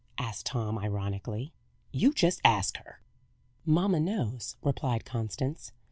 asked Tom, ironically. "You just ask her!" "Mamma knows," replied Constance.